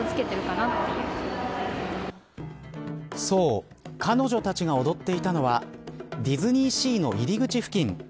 そう彼女たちが踊っていたのはディズニーシーの入り口付近。